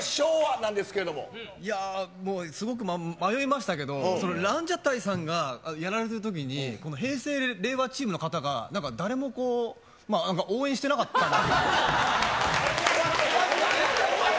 なんいや、もう、すごく迷いましたけど、ランジャタイさんが、やられてるときに、この平成・令和チームの方が、なんか誰もこう、応援してなかったんで。